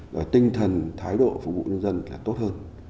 rồi tinh thần thái độ phục vụ nhân dân là tốt hơn